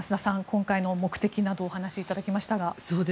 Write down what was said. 今回の目的などをお話しいただきましたが。